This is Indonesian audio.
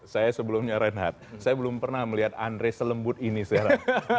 saya sebelumnya renhat saya belum pernah melihat andre selembut ini sekarang